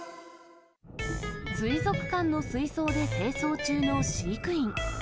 水族館の水槽で清掃中の飼育員。